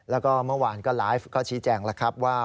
แล้วก็เมื่อวานก็ไลฟ์ก็ชี้แจงแล้วครับว่า